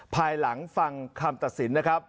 ภายหลังฟังคำตัดสินนะครับ